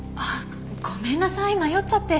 ごめんなさい迷っちゃって。